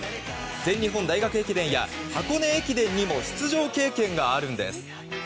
全日本大学駅伝や箱根駅伝にも出場経験があるんです。